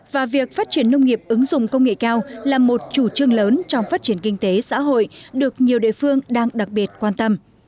và việc phát triển nông nghiệp ứng dụng công nghệ cao là một chủ trương lớn trong phát triển kinh tế xã hội được nhiều địa phương đang đặc biệt quan tâm